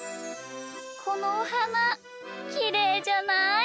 このおはなきれいじゃない？